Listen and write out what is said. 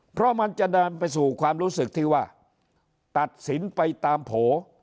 เพราะมันจะเดินไปสู่ความรู้สึกที่ว่าตัดสินไปตามโผล่